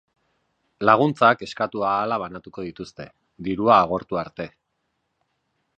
Laguntzak eskatu ahala banatuko dituzte, dirua agortu arte.